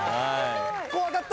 怖かった。